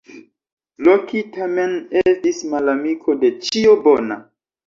Loki tamen estis malamiko de ĉio bona.